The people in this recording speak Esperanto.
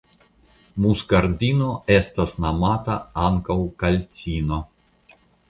Muskardino estas nomata ankaŭ kalcino.